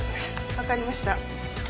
わかりました。